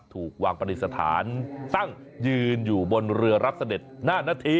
ถูกวางปฏิสถานตั้งยืนอยู่บนเรือรับเสด็จหน้านาธี